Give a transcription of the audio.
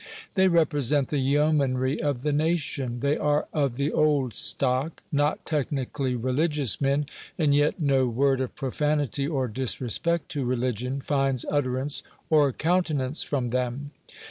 They represent the yeomanry of the nation. They are of the old stock; not technically religious men, and yet no word of profanity, or disrespect to religion, finds utterance or countenance from them.